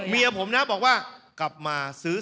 ที่จะเป็นความสุขของชาวบ้าน